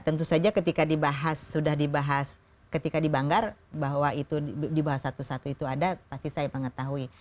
tentu saja ketika dibahas sudah dibahas ketika di banggar bahwa itu di bawah satu satu itu ada pasti saya mengetahui